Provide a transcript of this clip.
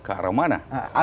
ke arah mana